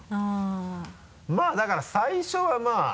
まぁだから最初はまぁ。